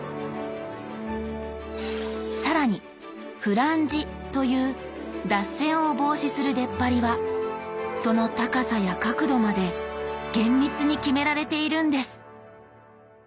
更に「フランジ」という脱線を防止する出っ張りはその高さや角度まで厳密に決められているんです。